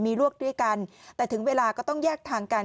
มีลูกด้วยกันแต่ถึงเวลาก็ต้องแยกทางกัน